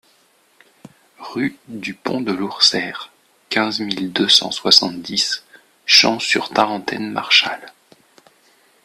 Rue du Pont de Lourseyre, quinze mille deux cent soixante-dix Champs-sur-Tarentaine-Marchal